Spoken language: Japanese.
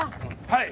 はい。